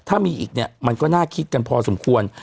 ถ้ามีอีกเนี่ยมันก็น่าคิดกันพอสมควร